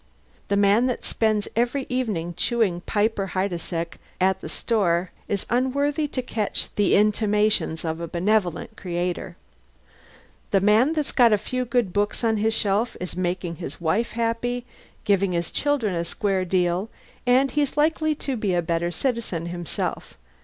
The man that spends every evening chewing Piper Heidsieck at the store is unworthy to catch the intimations of a benevolent Creator. The man that's got a few good books on his shelf is making his wife happy, giving his children a square deal, and he's likely to be a better citizen himself.